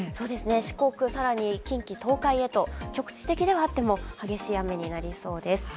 四国、近畿、東海へと局地的ではあっても激しい雨になりそうです。